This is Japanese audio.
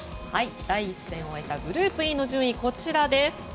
第１戦を終えたグループＥの順位はこちらです。